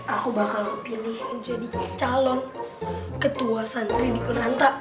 aku bakal pilih jadi calon ketua santri di konanta